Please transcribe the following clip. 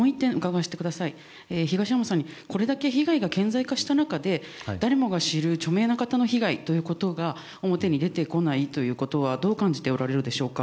これだけ被害が顕在化した中で、誰もが知る著名な方の被害が表に出てこないということは、どう感じておられるでしょうか。